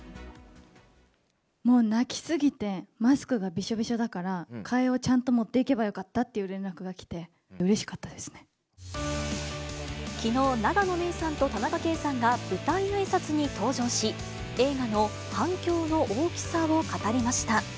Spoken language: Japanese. もう泣き過ぎて、マスクがびしょびしょだから、替えをちゃんと持っていけばよかったっていう連絡が来て、うれしきのう、永野芽郁さんと田中圭さんが舞台あいさつに登場し、映画の反響の大きさを語りました。